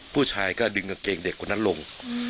ผู้ชายก็ดึงกางเกงเด็กคนนั้นลง